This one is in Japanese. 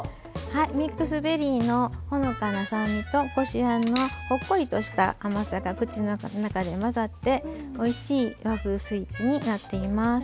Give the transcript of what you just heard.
ミックスベリーのほのかな酸味とこしあんのほっこりとした甘さが口の中で混ざっておいしい和風スイーツになっています。